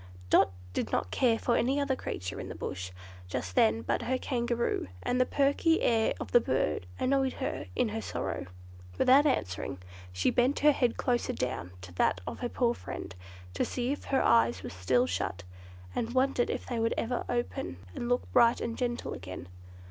Dot did not care for any other creature in the Bush just then but her Kangaroo, and the perky air of the bird annoyed her in her sorrow. Without answering, she bent her head closer down to that of her poor friend, to see if her eyes were still shut, and wondered if they would ever open and look bright and gentle again.